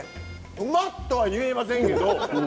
うまっ！とは言えませんけど。